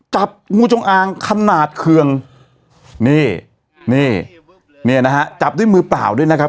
จับงูจงอางขนาดเคืองนี่นี่นะฮะจับด้วยมือเปล่าด้วยนะครับ